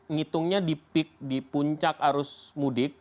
ngitungnya di peak di puncak arus mudik